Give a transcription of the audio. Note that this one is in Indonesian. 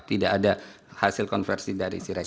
tidak ada hasil konversi dari sirecap